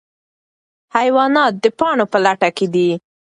حیوانات د پاڼو په لټه کې دي.